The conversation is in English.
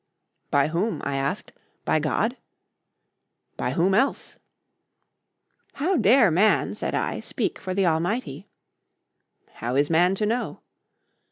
"By whom?" I asked. "By God?" "By whom else?" "How dare man," said I, "speak for the Almighty?" "How is man to know?"